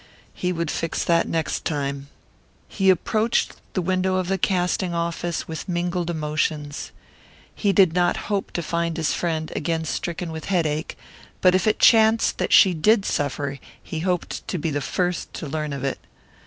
He would fix that next time. He approached the window of the casting office with mingled emotions. He did not hope to find his friend again stricken with headache, but if it chanced that she did suffer he hoped to be the first to learn of it.